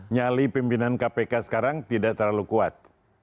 nyali pimpinan kpk sekarang tidak terlalu kuat